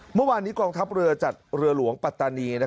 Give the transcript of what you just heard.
เมื่อวานนี้กองทัพเรือจัดเรือหลวงปัตตานี